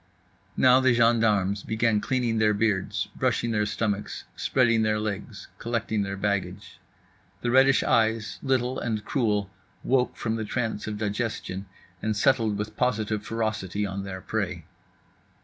Now the gendarmes began cleaning their beards, brushing their stomachs, spreading their legs, collecting their baggage. The reddish eyes, little and cruel, woke from the trance of digestion and settled with positive ferocity on their prey.